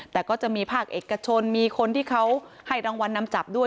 แต่ก็จะมีภาคเอกชนมีคนที่เขาให้รางวัลนำจับด้วย